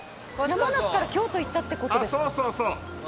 山梨から京都行ったってことですか？